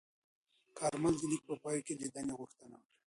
کارمل د لیک په پای کې لیدنې غوښتنه وکړه.